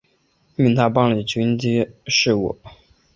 命他办理军机事务。